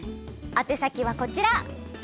あて先はこちら。